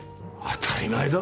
当たり前だ！